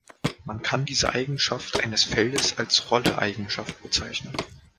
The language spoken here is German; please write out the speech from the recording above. Man kann diese Eigenschaft eines Feldes als Rolle-Eigenschaft bezeichnen.